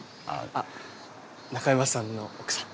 あっ中山さんの奥さん？